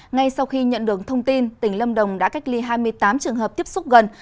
ngay sau khi nhận được thông tin tỉnh lâm đồng đã cách ly hai mươi tám trường hợp tiếp xúc gần